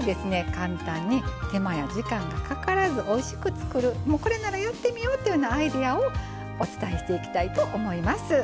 簡単に手間や時間がかからずおいしく作るもうこれならやってみようっていうようなアイデアをお伝えしていきたいと思います。